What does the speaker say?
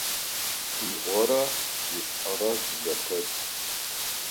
ИIорэ ишIэрэ зэтет.